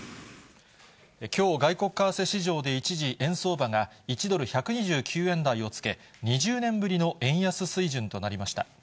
きょう外国為替市場で一時、円相場が１ドル１２９円台をつけ、２０年ぶりの円安水準となりました。